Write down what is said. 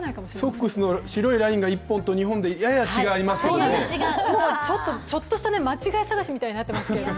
ソックスの白いラインが１本と２本でちょっとした間違い探しみたいになってますけど。